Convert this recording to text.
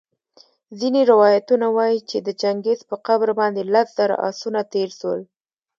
ځیني روایتونه وايي چي د چنګیز په قبر باندي لس زره آسونه تېرسول